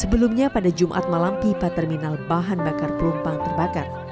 sebelumnya pada jumat malam pipa terminal bahan bakar pelumpang terbakar